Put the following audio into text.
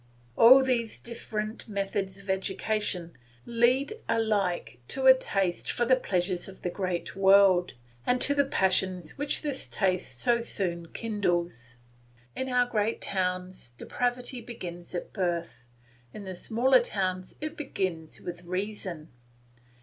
All these different methods of education lead alike to a taste for the pleasures of the great world, and to the passions which this taste so soon kindles. In our great towns depravity begins at birth; in the smaller towns it begins with reason.